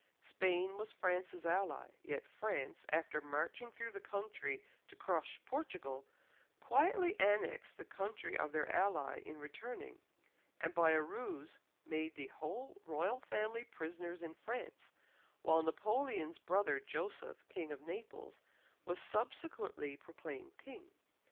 Spain was France's ally, yet France after marching through the country to crush Portugal, quietly annexed the country of their ally in returning, and by a ruse made the whole Royal Family prisoners in France, while Napoleon's brother Joseph, King of Naples, was subsequently proclaimed King.